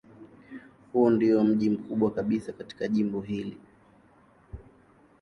Huu ndiyo mji mkubwa kabisa katika jimbo hili.